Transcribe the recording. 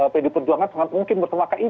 pdi perjuangan sangat mungkin bersama kib